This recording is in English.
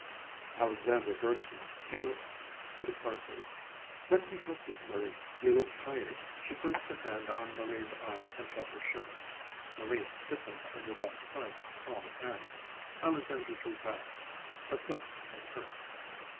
Alexandra Bergson came up to the card booth. "Let me help you, Marie. You look tired." She placed her hand on Marie's arm and felt her shiver. Marie stiffened under that kind, calm hand. Alexandra drew back, perplexed and hurt.